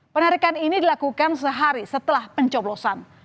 penarikan ini dilakukan sehari setelah pencoblosan